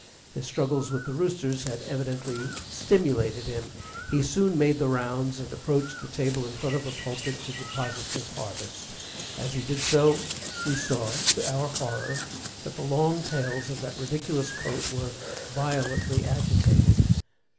His struggles with the roosters had evidently stimulated him. He soon made the rounds and approached the table in front of the pulpit to deposit his harvest. As he did so we saw to our horror that the long tails of that ridiculous coat were violently agitated.